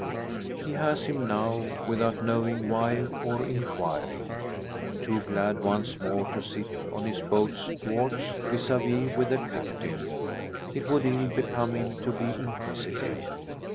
He has him now, without knowing why, or inquiring. Too glad once more to sit on his boat's thwarts, vis a vis with the Captain, it would ill become him to be inquisitive.